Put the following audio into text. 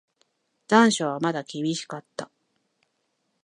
残暑はまだ厳しかった。